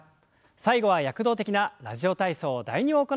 最後は躍動的な「ラジオ体操第２」を行います。